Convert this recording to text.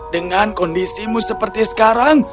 dengan kondisimu seperti sekarang